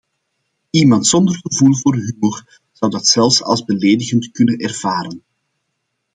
Iemand zonder gevoel voor humor zou dat zelfs als beledigend kunnen ervaren.